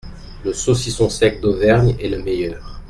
Le saucisson sec d’Auvergne est le meilleur.